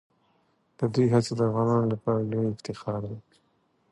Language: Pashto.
د دوی هڅې د افغانانو لپاره لویه افتخار دي.